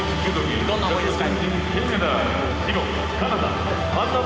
どんな思いですか？